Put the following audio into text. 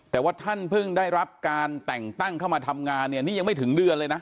แต่ว่าท่านเพิ่งได้รับการแต่งตั้งเข้ามาทำงานเนี่ยนี่ยังไม่ถึงเดือนเลยนะ